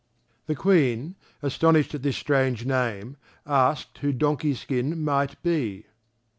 The Queen, astonished at this strange name, asked who Donkey skin might be.